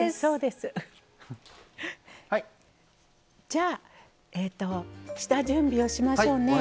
じゃあ下準備をしましょうね。